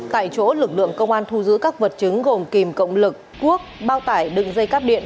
tại chỗ lực lượng công an thu giữ các vật chứng gồm kìm cộng lực cuốc bao tải đựng dây cắp điện